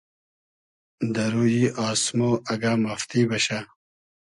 دۂ رویی آسمۉ اگۂ مافتی بئشۂ